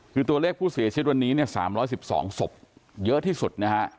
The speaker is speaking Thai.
คือตัวเลขผู้เสียชีวิตวันนี้เนี่ย๓๑๒ศพเยอะที่สุดนะฮะ